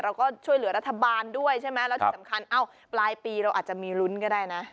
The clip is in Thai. เราก็ช่วยเหลือรัฐบาลด้วยใช่ไหมแล้วที่สำคัญเอ้าปลายปีเราอาจจะมีลุ้นก็ได้นะ